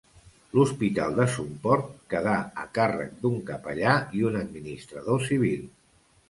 L'hospital de Somport quedà a càrrec d'un capellà i un administrador civil.